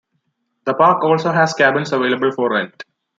The park also has cabins available for rent.